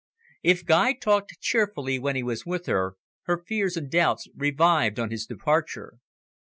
If Guy talked cheerfully when he was with her, her fears and doubts revived on his departure.